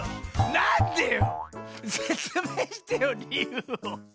なんでよ。